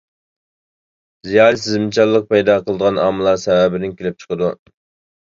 زىيادە سېزىمچانلىق پەيدا قىلىدىغان ئامىللار سەۋەبىدىن كېلىپ چىقىدۇ.